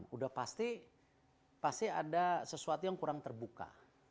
sudah pasti ada sesuatu yang kurang terbuka